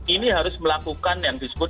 ini harus melakukan yang disebut